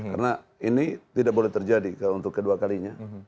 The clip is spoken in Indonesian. karena ini tidak boleh terjadi untuk kedua kalinya